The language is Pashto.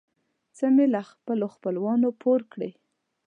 څه مې له خپلو خپلوانو پور کړې.